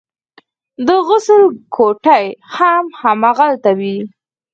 د غسل کوټې هم هماغلته وې.